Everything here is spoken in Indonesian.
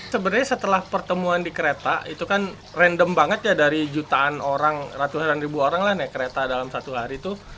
sebenarnya setelah pertemuan di kereta itu kan random banget ya dari jutaan orang ratusan ribu orang lah naik kereta dalam satu hari itu